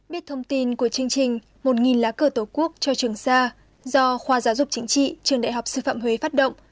biết thông tin của chương trình một lá cờ tổ quốc cho trường sa do khoa giáo dục chính trị trường đại học sư phạm huế phát động